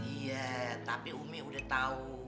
iya tapi umi udah tahu